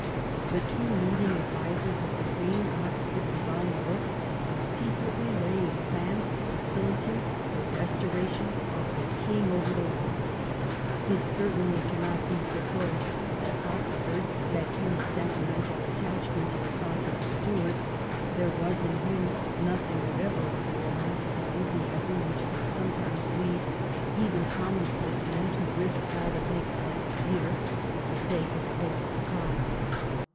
The two leading advisers of the Queen, Oxford and Bolingbroke, were secretly laying plans to facilitate the restoration of ' the King over the water.' It certainly cannot be supposed that Oxford had any sentimental attachment to the cause of the Stuarts. There was in him nothing whatever of the romantic enthusiasm which can sometimes lead even commonplace men to risk all that makes life dear for the sake of a hopeless cause.